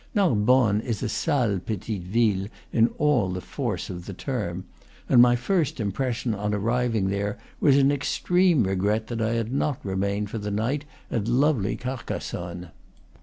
Narbonne is a sale petite ville in all the force of the term, and my first impression on ar riving there was an extreme regret that I had not remained for the night at the lovely Carcassonne.